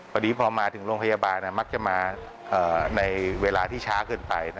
พอดีพอมาถึงโรงพยาบาลมักจะมาในเวลาที่ช้าเกินไป